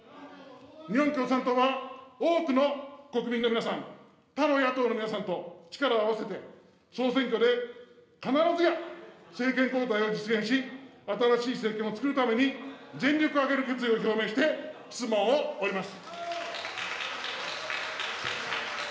日本共産党は多くの国民の皆さん、他の野党の皆さんと力を合わせて、総選挙で必ずや政権交代を実現し、新しい政権をつくるために、全力を挙げる決意を表明して、質問を終わります。